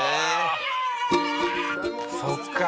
そっか。